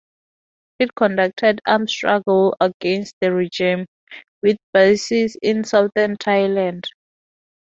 It conducted armed struggle against the regime, with bases in Southern Thailand.